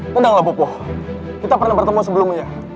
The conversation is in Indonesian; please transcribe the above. tendanglah bopo kita pernah bertemu sebelumnya